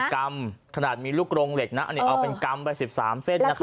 เป็นกรรมขนาดมีลูกรงเหล็กนะเอาเป็นกรรมไป๑๓เส้นนะครับ